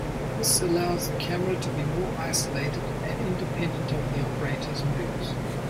This allows the camera to be more isolated and independent of the operator's moves.